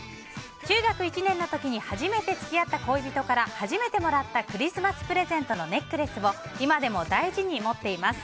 中学１年の時に初めて付き合った恋人から初めてもらったクリスマスプレゼントのネックレスを今でも大事に持っています。